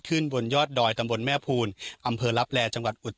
ขึ้นบนยอดดอยตำบนแม่ภูนอำเผอร์รับแรจังหวัดอุตรฐ